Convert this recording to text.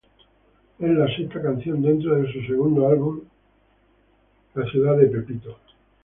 Es la sexta canción dentro de su segundo álbum "Sam's Town".